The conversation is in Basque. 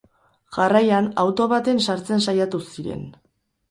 Jarraian, auto baten sartzen saiatu ziren.